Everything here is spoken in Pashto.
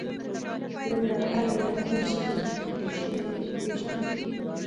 لومړی: آیا لاندیني شکل کې ښودل شوي لرګي پېژنئ؟